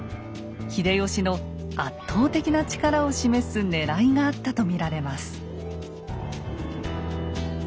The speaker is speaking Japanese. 秀吉の圧倒的な力を示すねらいがあったと見られます。